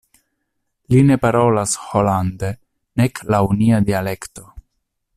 Li ne parolas holande, nek laŭ nia dialekto.